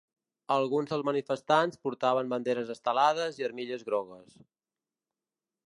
Alguns dels manifestants portaven banderes estelades i armilles grogues.